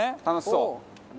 楽しそう。